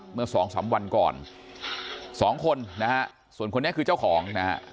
เมื่อสองสามวันก่อนสองคนนะฮะส่วนคนนี้คือเจ้าของนะฮะ